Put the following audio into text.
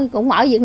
cũng ở việt nam